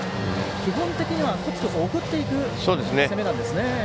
基本的には、こつこつ送っていく攻めなんですね。